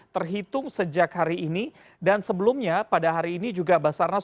terhitung sejak hari ini dan sebelumnya pada hari ini juga basarnas